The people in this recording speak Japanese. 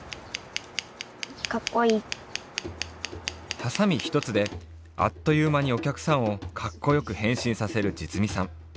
ハサミ一つであっというまにお客さんをかっこよくへんしんさせるじつみさん。